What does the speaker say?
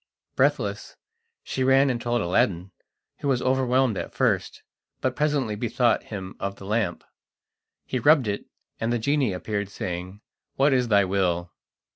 Breathless, she ran and told Aladdin, who was overwhelmed at first, but presently bethought him of the lamp. He rubbed it, and the genie appeared, saying: "What is thy will?"